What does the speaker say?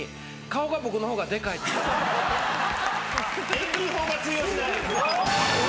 遠近法が通用しない。